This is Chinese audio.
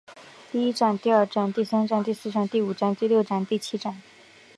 第一战第二战第三战第四战第五战第六战第七战